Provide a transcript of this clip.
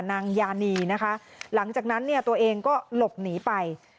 นางยานีนะคะหลังจากนั้นเนี่ยตัวเองก็หลบหนีไป